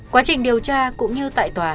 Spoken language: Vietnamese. quá trình điều tra cũng như tại tòa